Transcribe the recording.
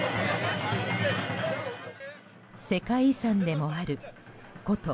世界遺産でもある古都